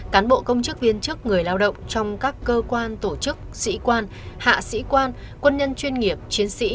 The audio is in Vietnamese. cán bộ công chức viên chức người lao động trong các cơ quan tổ chức sĩ quan hạ sĩ quan quân nhân chuyên nghiệp chiến sĩ